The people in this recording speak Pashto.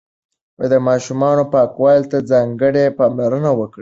د ماشومانو پاکوالي ته ځانګړې پاملرنه وکړئ.